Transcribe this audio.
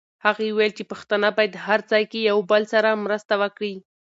هغې وویل چې پښتانه باید هر ځای کې یو بل سره مرسته وکړي.